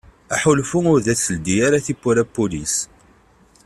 Aḥulfu ur as-teldi ara tiwwura n wul-is.